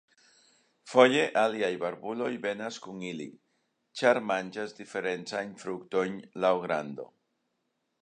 Foje aliaj barbuloj venas kun ili, ĉar manĝas diferencajn fruktojn laŭ grando.